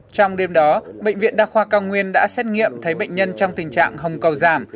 trong đêm đó bệnh viện đa khoa cao nguyên đã xét nghiệm thấy bệnh nhân trong tình trạng hồng cầu giảm